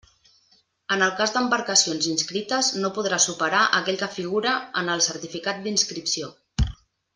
En el cas d'embarcacions inscrites, no podrà superar aquell que figure en el certificat d'inscripció.